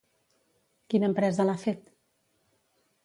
Quina empresa l'ha fet?